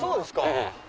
ええ。